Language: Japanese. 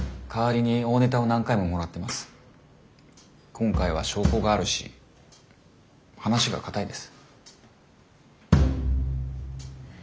今回は証拠があるし話が堅いです。